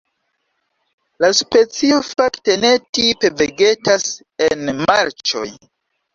La specio fakte ne tipe vegetas en marĉoj.